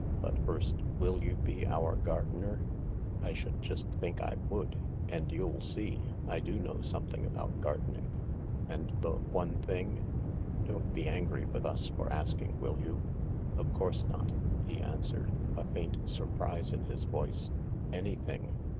But first, will you be our gardener ?"" I should just think I would. And you'll see. I do know something about gardening. And the ' one thing '?" "Don't be angry with us for asking, will you ?" "Of course not," he answered, a faint surprise in his voice. Anything